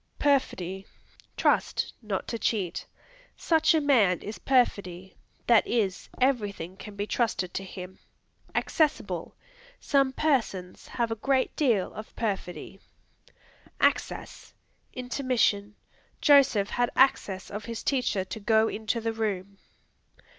Perfidy Trust; not to cheat; "Such a man is perfidy; that is, everything can be trusted to him." Accessible; "Some persons have a great deal of perfidy." Access Intermission; "Joseph had access of his teacher to go into the room."